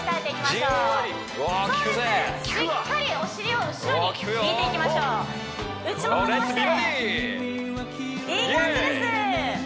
しっかりお尻を後ろに引いていきましょう内もも伸ばしていい感じです